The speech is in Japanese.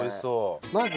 まず。